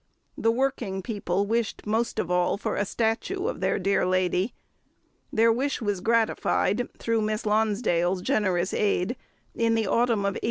The working people wished most of all for a statue of their dear lady. The wish was gratified, through Miss Lonsdale's generous aid, in the autumn of 1886.